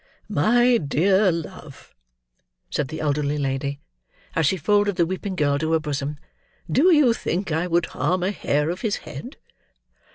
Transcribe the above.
"My dear love," said the elder lady, as she folded the weeping girl to her bosom, "do you think I would harm a hair of his head?"